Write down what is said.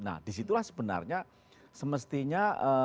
nah disitulah sebenarnya semestinya